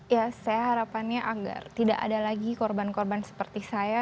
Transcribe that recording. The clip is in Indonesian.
ya saya harapannya agar tidak ada lagi korban korban seperti saya